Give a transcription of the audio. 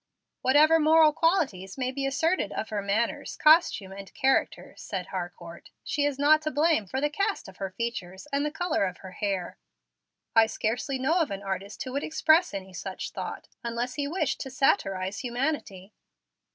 "Whatever moral qualities may be asserted of her manners, costume, and character," said Harcourt, "she is not to blame for the cast of her features and the color of her hair. I scarcely know of an artist who would express any such thought, unless he wished to satirize humanity."